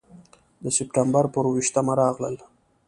د سپټمبر پر اوه ویشتمه راغلل.